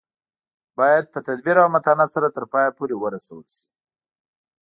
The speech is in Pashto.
باید په تدبیر او متانت سره تر پایه پورې ورسول شي.